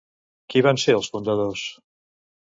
Qui van ser els fundadors?